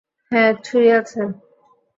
হ্যাঁ, ছুড়ি আছে।